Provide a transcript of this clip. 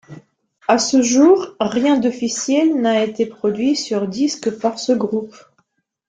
À ce jour, rien d'officiel n'a été produit sur disque par ce groupe.